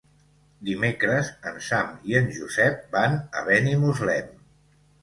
Dimecres en Sam i en Josep van a Benimuslem.